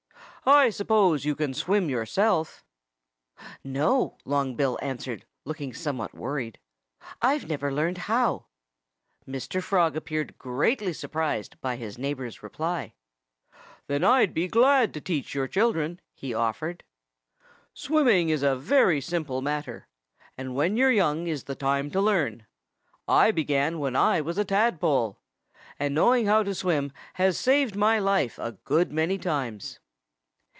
"I suppose you can swim, yourself?" "No!" Long Bill answered, looking somewhat worried. "I've never learned how." Mr. Frog appeared greatly surprised by his neighbor's reply. "Then I'd be glad to teach your children," he offered. "Swimming is a very simple matter. And when you're young is the time to learn. I began when I was a tadpole. And knowing how to swim has saved my life a good many times."